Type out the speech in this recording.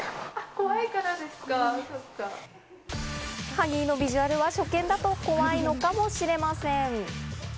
ハギーのビジュアルは初見だと怖いのかもしれません。